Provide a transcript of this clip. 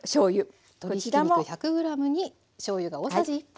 鶏ひき肉１００ｇにしょうゆが大さじ１杯。